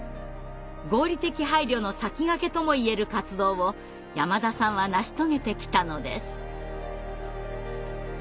合理的配慮の先駆けとも言える活動を山田さんは成し遂げてきたのです。